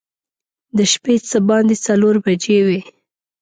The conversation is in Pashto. د شپې څه باندې څلور بجې وې.